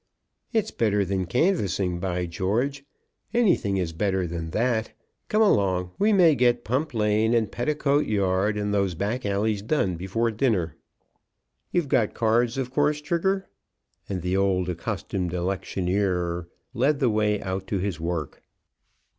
"It's better than canvassing. By George, anything is better than that. Come along. We may get Pump Lane, and Petticoat Yard, and those back alleys done before dinner. You've got cards, of course, Trigger." And the old, accustomed electioneerer led the way out to his work.